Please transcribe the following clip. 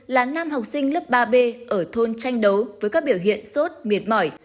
là năm học sinh lớp ba b ở thôn tranh đấu với các biểu hiện sốt miệt mỏi